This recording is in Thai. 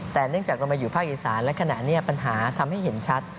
แต่เนื่องจากเรามาอยู่ภาคอีสานและขณะนี้ปัญหาทำให้เห็นชัด